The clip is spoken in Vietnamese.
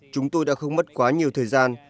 chúng tôi đã không mất quá nhiều thời gian